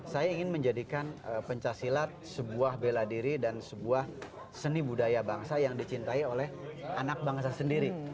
saya ingin menjadikan pencaksilat sebuah bela diri dan sebuah seni budaya bangsa yang dicintai oleh anak bangsa sendiri